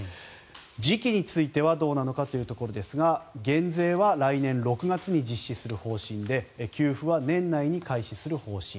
時期についてはどうなのかというところですが減税は来年６月に実施する方針で給付は年内に開始する方針。